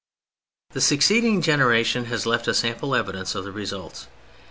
The succeeding generation has left us ample evidence of the results.